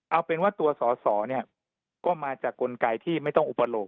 เอาเป็นว่าตัวสอสอเนี่ยก็มาจากกลไกที่ไม่ต้องอุปโลก